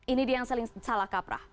ini dia yang saling salah kaprah